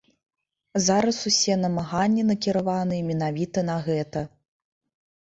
Зараз усе намаганні накіраваныя менавіта на гэта.